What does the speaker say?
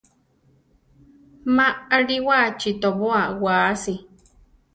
Ma alíwachi tobóa waasi.